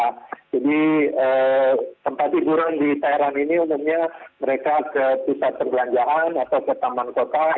jadi tempat hiburan di teheran ini umumnya mereka ke pusat perbelanjaan atau ke taman kota